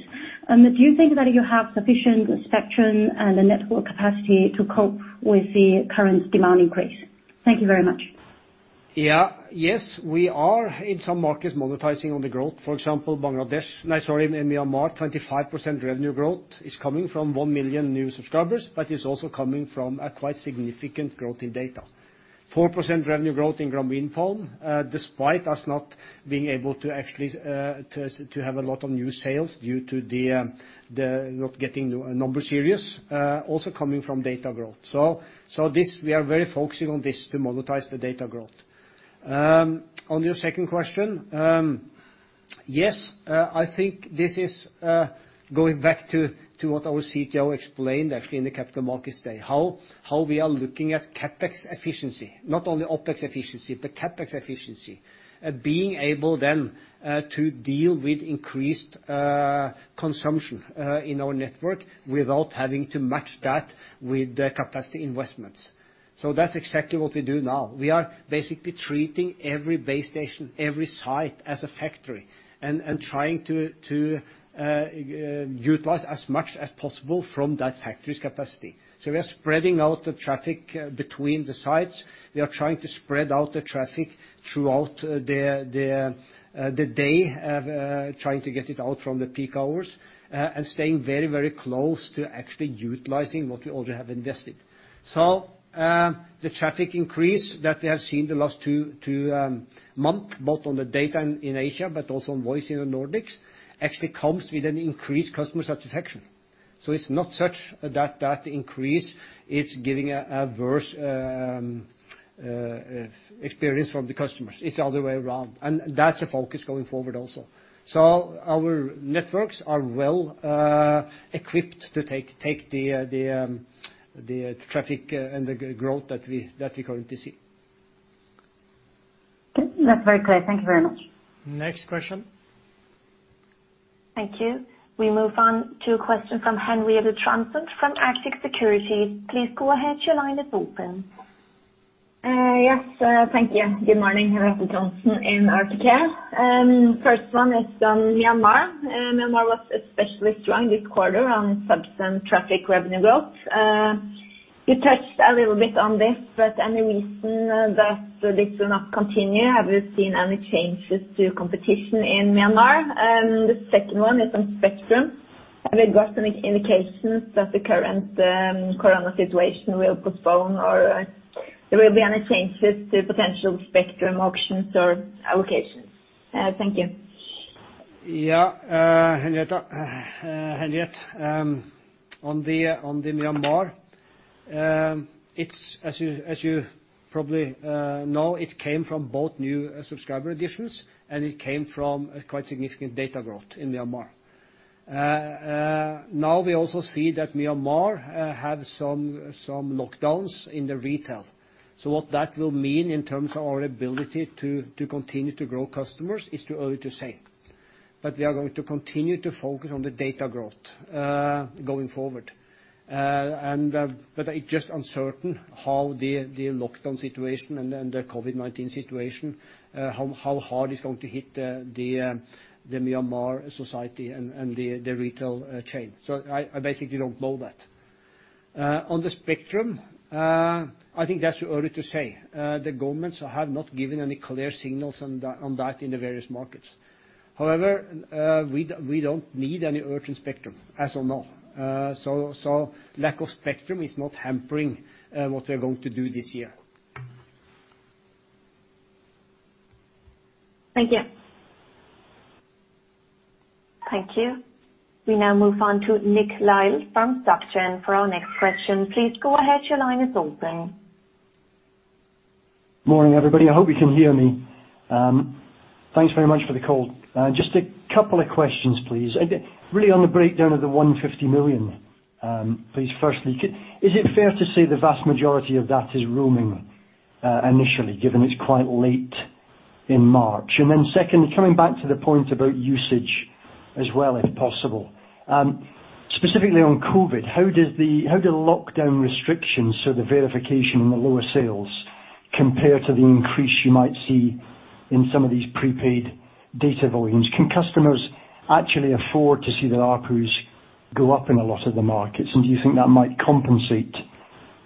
Do you think that you have sufficient spectrum and the network capacity to cope with the current demand increase? Thank you very much. Yes, we are in some markets monetizing on the growth. For example, no, sorry, in Myanmar, 25% revenue growth is coming from 1 million new subscribers, but it's also coming from a quite significant growth in data. 4% revenue growth in roaming plan, despite us not being able to actually have a lot of new sales due to not getting number series, also coming from data growth. We are very focusing on this to monetize the data growth. On your second question, yes, I think this is going back to what our CTO explained actually in the Capital Markets Day. How we are looking at CapEx efficiency, not only OpEx efficiency, but CapEx efficiency. Being able then to deal with increased consumption in our network without having to match that with the capacity investments. That's exactly what we do now. We are basically treating every base station, every site, as a factory and trying to utilize as much as possible from that factory's capacity. We are spreading out the traffic between the sites. We are trying to spread out the traffic throughout the day, trying to get it out from the peak hours, and staying very close to actually utilizing what we already have invested. The traffic increase that we have seen the last two months, both on the data in Asia but also on voice in the Nordics, actually comes with an increased customer satisfaction. It's not such that increase is giving a worse experience from the customers. It's the other way around, and that's the focus going forward also. Our networks are well equipped to take the traffic and the growth that we're going to see. Okay. That's very clear. Thank you very much. Next question. Thank you. We move on to a question from Henriette Johannessen from Arctic Securities. Please go ahead, your line is open. Yes, thank you. Good morning. Henriette Johannessen in Arctic here. First one is on Myanmar. Myanmar was especially strong this quarter on subs and traffic revenue growth. You touched a little bit on this, any reason that this will not continue? Have you seen any changes to competition in Myanmar? The second one is on spectrum. Have you got any indications that the current corona situation will postpone or there will be any changes to potential spectrum auctions or allocations? Thank you. Yeah, Henriette. On the Myanmar, it's as you probably know, it came from both new subscriber additions, and it came from a quite significant data growth in Myanmar. Now we also see that Myanmar have some lockdowns in the retail. What that will mean in terms of our ability to continue to grow customers is too early to say. We are going to continue to focus on the data growth, going forward. It's just uncertain how the lockdown situation and the COVID-19 situation, how hard it's going to hit the Myanmar society and the retail chain. I basically don't know that. On the spectrum, I think that's too early to say. The governments have not given any clear signals on that in the various markets. However, we don't need any urgent spectrum as of now. Lack of spectrum is not hampering what we're going to do this year. Thank you. Thank you. We now move on to Nick Lyall from Société Générale for our next question. Please go ahead, your line is open. Morning, everybody. I hope you can hear me. Thanks very much for the call. Just a couple of questions, please. On the breakdown of the 150 million, please, firstly. Is it fair to say the vast majority of that is roaming initially, given it's quite late in March? Second, coming back to the point about usage as well, if possible. Specifically on COVID-19, how do the lockdown restrictions, so the verification and the lower sales compare to the increase you might see in some of these prepaid data volumes? Can customers actually afford to see their ARPUs go up in a lot of the markets, and do you think that might compensate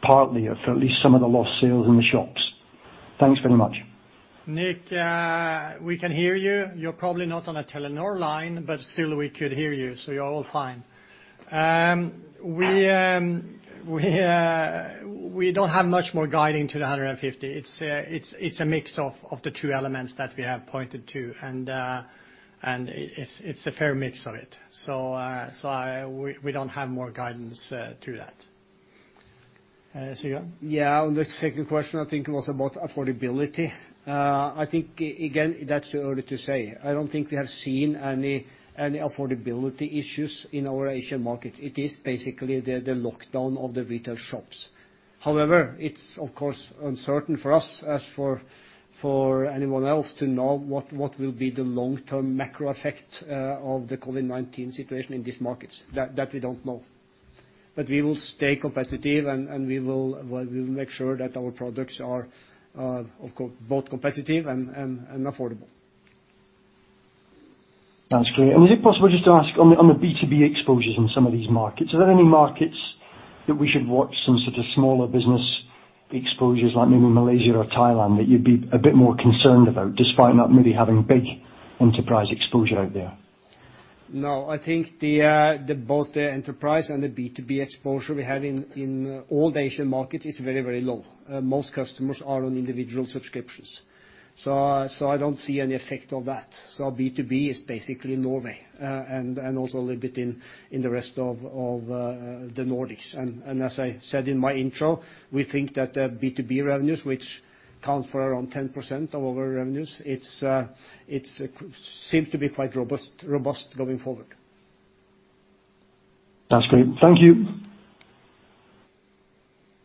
partly for at least some of the lost sales in the shops? Thanks very much. Nick, we can hear you. You're probably not on a Telenor line, but still we could hear you, so you're all fine. We don't have much more guiding to the 150. It's a mix of the two elements that we have pointed to, and it's a fair mix of it. We don't have more guidance to that. Sigve? Yeah. On the second question, I think it was about affordability. I think, again, that's too early to say. I don't think we have seen any affordability issues in our Asian markets. It is basically the lockdown of the retail shops. It's of course uncertain for us, as for anyone else, to know what will be the long-term macro effect of the COVID-19 situation in these markets. That we don't know. We will stay competitive, and we will make sure that our products are both competitive and affordable. Sounds clear. Is it possible just to ask on the B2B exposures in some of these markets, are there any markets that we should watch some sort of smaller business exposures, like maybe Malaysia or Thailand, that you'd be a bit more concerned about, despite not maybe having big enterprise exposure out there? No, I think both the enterprise and the B2B exposure we have in all the Asian market is very low. Most customers are on individual subscriptions. I don't see any effect of that. B2B is basically Norway, and also a little bit in the rest of the Nordics. As I said in my intro, we think that the B2B revenues, which count for around 10% of our revenues, it seem to be quite robust going forward. That's great. Thank you.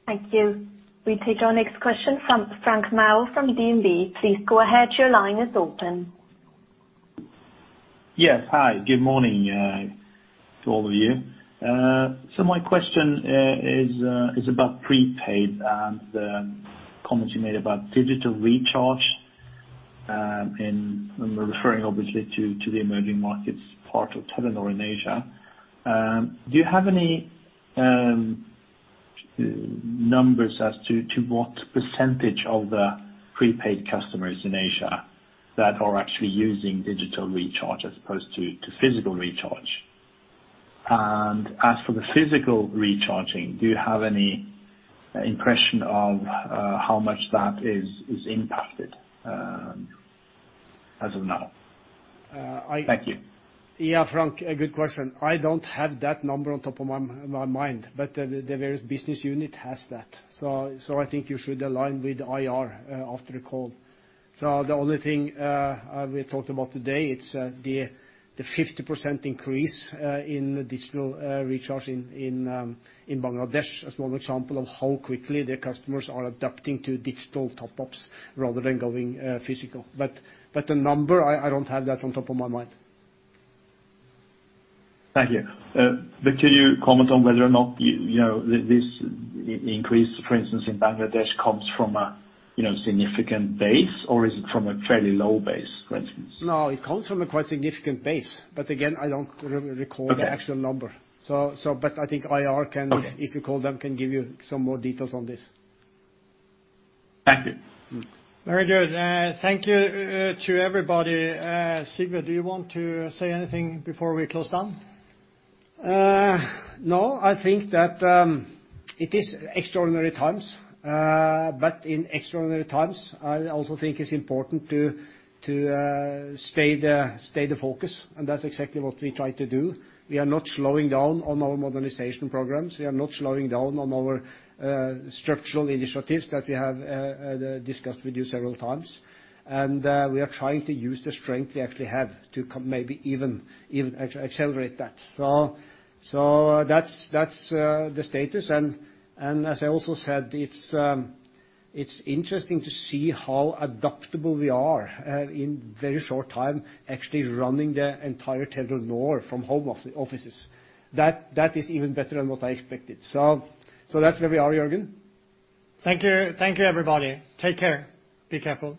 Thank you. We take our next question from Frank Maaø from DNB. Please go ahead. Your line is open. Yes. Hi, good morning to all of you. My question is about prepaid and the comments you made about digital recharge, and I'm referring obviously to the emerging markets part of Telenor in Asia. Do you have any numbers as to what percentage of the prepaid customers in Asia that are actually using digital recharge as opposed to physical recharge? As for the physical recharging, do you have any impression of how much that is impacted as of now? Thank you. Yeah, Frank, a good question. I don't have that number on top of my mind, but the various business unit has that. I think you should align with IR after the call. The only thing we thought about today, it's the 50% increase in digital recharge in Bangladesh as one example of how quickly the customers are adapting to digital top-ups rather than going physical. The number, I don't have that on top of my mind. Thank you. Can you comment on whether or not this increase, for instance, in Bangladesh comes from a significant base, or is it from a fairly low base, for instance? No, it comes from a quite significant base. Again, I don't recall the actual number. Okay. I think IR. Okay if you call them, can give you some more details on this. Thank you. Very good. Thank you to everybody. Sigve, do you want to say anything before we close down? I think that it is extraordinary times. In extraordinary times, I also think it's important to stay the focus, and that's exactly what we try to do. We are not slowing down on our modernization programs. We are not slowing down on our structural initiatives that we have discussed with you several times. We are trying to use the strength we actually have to maybe even accelerate that. That's the status. As I also said, it's interesting to see how adaptable we are in very short time actually running the entire Telenor from home offices. That is even better than what I expected. That's where we are, Jørgen. Thank you, everybody. Take care. Be careful.